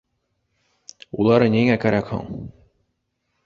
— Улары ниңә кәрәк һуң?